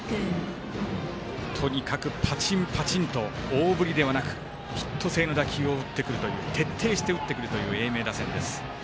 とにかくパチンパチンと大振りではなくヒット性の打球を徹底して打ってくるという英明打線。